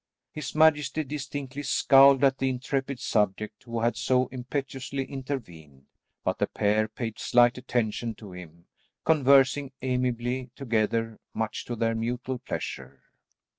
His majesty distinctly scowled at the intrepid subject who had so impetuously intervened, but the pair paid slight attention to him, conversing amiably together, much to their mutual pleasure.